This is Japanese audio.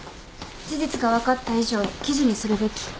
事実が分かった以上記事にするべき。